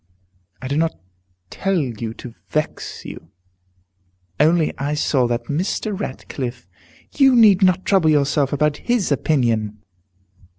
"I do not tell you to vex you, only I saw that Mr. Ratcliffe " "You need not trouble yourself about his opinion."